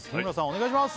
お願いします